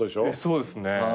そうですね。